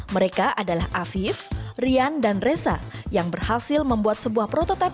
mereka adalah afif rian dan reza yang berhasil membuat sebuah prototipe